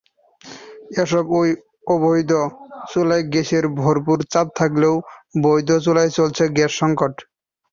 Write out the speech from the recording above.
এসব অবৈধ চুলায় গ্যাসের ভরপুর চাপ থাকলেও বৈধ চুলায় চলছে গ্যাস-সংকট।